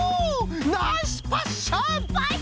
ナイスパッション！